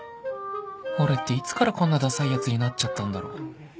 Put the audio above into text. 俺っていつからこんなダサいヤツになっちゃったんだろ